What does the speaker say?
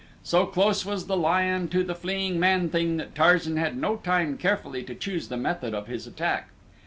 So close was the lion to the fleeing man thing that Tarzan had no time carefully to choose the method of his attack.